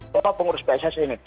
potong pengurus pssi ini